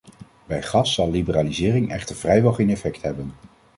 Bij gas zal liberalisering echter vrijwel geen effect hebben.